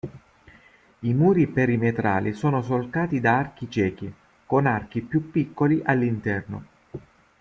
I muri perimetrali sono solcati da archi ciechi, con archi più piccoli all'interno.